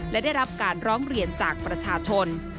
และได้รับการร้องเรียนจากประชาชน